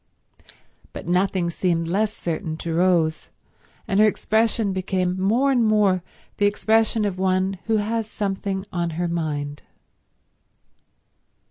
But nothing seemed less certain to Rose, and her expression became more and more the expression of one who has something on her mind.